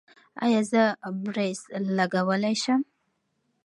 ایا زه برېس لګولی شم؟